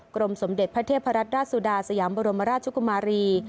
กรมสมเด็จพระเทพรัตนราชสุดาสยามบรมราชกุมารี